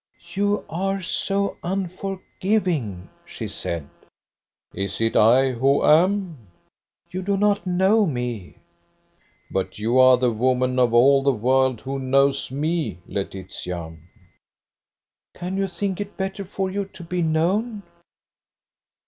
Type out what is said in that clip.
"You are so unforgiving," she said. "Is it I who am?" "You do not know me." "But you are the woman of all the world who knows me, Laetitia." "Can you think it better for you to be known?"